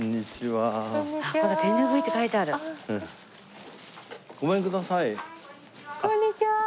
はいこんにちは。